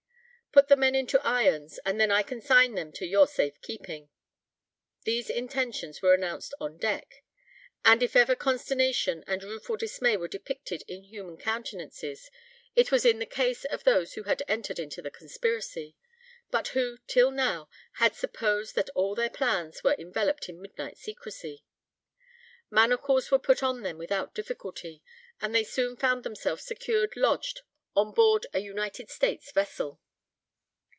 "Put the men into irons, and then I consign them to your safe keeping." These intentions were announced on deck; and if ever consternation and rueful dismay were depicted in human countenances it was in the case of those who had entered into the conspiracy, but who, till now, had supposed that all their plans were enveloped in midnight secrecy. Manacles were put on them all without difficulty, and they soon found themselves securely lodged on board an United States vessel.